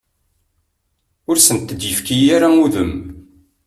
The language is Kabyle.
Ur asent-d-yefki ara udem.